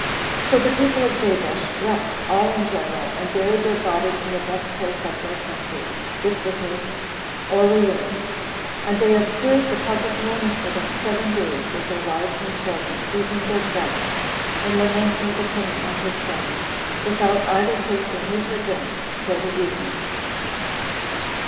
So the people of Jabesh wept all in general, and buried their bodies in the best place of their country, which was named Areurn; and they observed a public mourning for them seven days, with their wives and children, beating their breasts, and lamenting the king and his sons, without either tasting meat or drink 29 [till the evening.